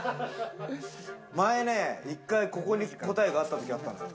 前ね、１回ここに答えがあったときあったのよ。